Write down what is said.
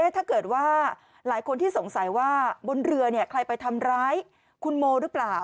ถ้าเกิดว่าหลายคนที่สงสัยว่าบนเรือใครไปทำร้ายคุณโมหรือเปล่า